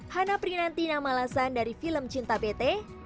hana prinantina malasan dari film cinta pt